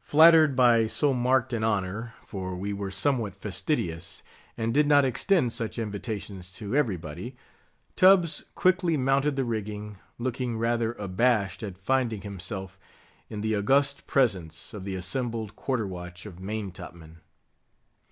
Flattered by so marked an honor—for we were somewhat fastidious, and did not extend such invitations to every body—Tubb's quickly mounted the rigging, looking rather abashed at finding himself in the august presence of the assembled Quarter Watch of main top men.